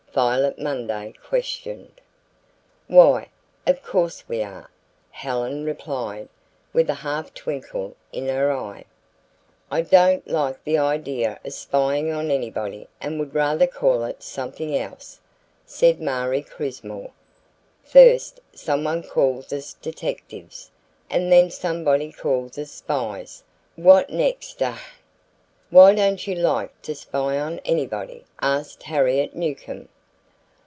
Violet Munday questioned. "Why, of course we are," Helen replied, with a half twinkle in her eyes. "I don't like the idea of spying on anybody and would rather call it something else," said Marie Crismore. "First someone calls us detectives and then somebody calls us spies. What next? Ugh!" "Why don't you like to spy on anybody?" asked Harriet Newcomb.